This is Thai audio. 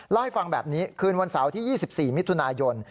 เล่าให้ฟังแบบนี้คืนวันเสาร์ที่๒๔มิถุนายน